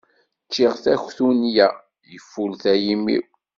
Ččiɣ taktuniya, yefulta yimi-w.